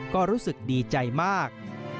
ก็รู้สึกดีใจมาก